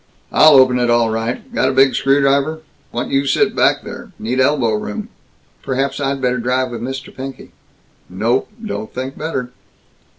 "I'll open it all right! Got a big screwdriver? Want you sit back there. Need elbow room." "Perhaps I'd better drive with Mr. Pinky." "Nope. Don't think better."